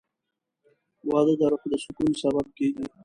• واده د روح د سکون سبب کېږي.